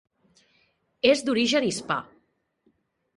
És d'origen hispà.